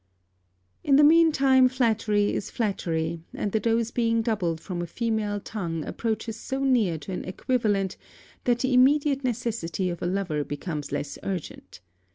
In the mean time flattery is flattery; and the dose being doubled from a female tongue approaches so near to an equivalent that the immediate necessity of a lover becomes less urgent.